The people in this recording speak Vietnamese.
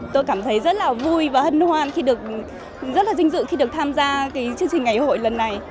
tôi cảm thấy rất là vui và hân hoan khi được rất là vinh dự khi được tham gia chương trình ngày hội lần này